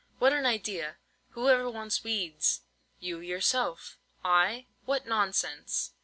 "What an idea! Who ever wants weeds?" "You yourself." "I? What nonsense!"